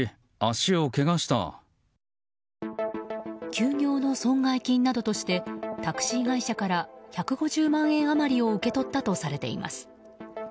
休業の損害金などとしてタクシー会社から１５０万円余りを受け取ったとされています。